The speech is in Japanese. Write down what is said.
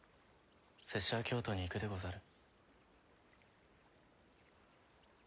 拙者は京都に行くでござる。